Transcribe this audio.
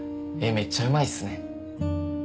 めっちゃうまいっすね。